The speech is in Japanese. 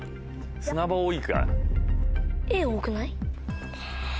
砂場多いか。